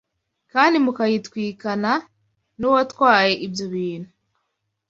kandi mukayitwikana n’uwatwaye ibyo bintu